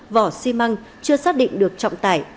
vỏ xi măng chưa xác định được trọng tải